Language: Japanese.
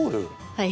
はい。